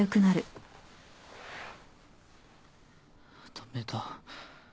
駄目だ。